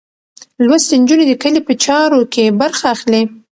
لوستې نجونې د کلي په چارو کې برخه اخلي.